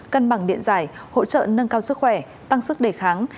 cân bằng điện giải hỗ trợ nâng cao sức khỏe tăng sức đề kháng